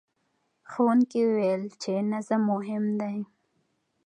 ښوونکي وویل چې نظم مهم دی.